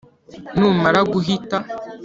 numara guhita,